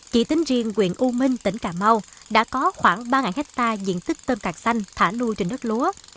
chỉ tính riêng quyền u minh tỉnh cà mau đã có khoảng ba hectare diện tích tôm càng xanh thả nuôi trên đất lúa